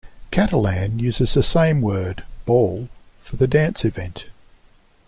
Catalan uses the same word, "ball", for the dance event.